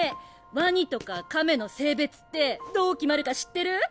ワニとか亀の性別ってどう決まるか知ってる？